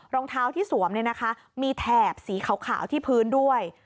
รองเท้าที่สวมมีแถบสีขาวที่พื้นด้วย